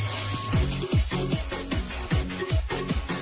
โอ้โอ้โอ้โอ้โอ้โอ้โอ้โอ้โอ้โอ้